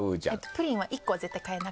プリンは１個は絶対買えなくて。